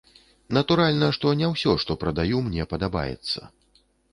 Натуральна, што не ўсё, што прадаю, мне падабаецца.